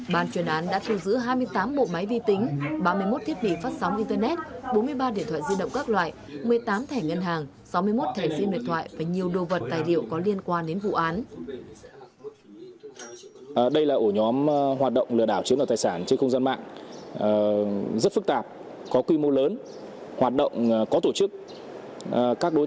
ban truyền án đã thu giữ hai mươi tám bộ máy vi tính ba mươi một thiết bị phát sóng internet bốn mươi ba điện thoại di động các loại